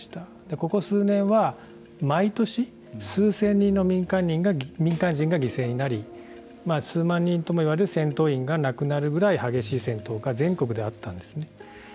ここ数年は毎年数千人の民間人が犠牲になり数万人ともいわれる戦闘員が亡くなるぐらい激しい戦闘が全国であったんですね。